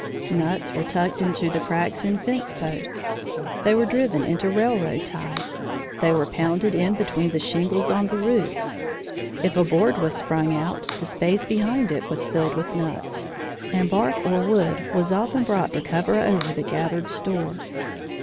Nuts were tucked into the cracks in fence posts; they were driven into railroad ties; they were pounded in between the shingles on the roofs; if a board was sprung out, the space behind it was filled with nuts, and bark or wood was often brought to cover over the gathered store.